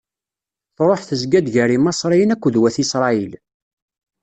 Tṛuḥ tezga-d gar Imaṣriyen akked wat Isṛayil.